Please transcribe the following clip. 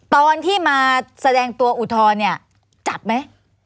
ตอนที่มาแสดงตัวอุทธรณ์เนี่ยจับไหม